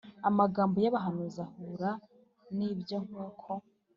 Amagambo y abahanuzi ahura n ibyo nk uko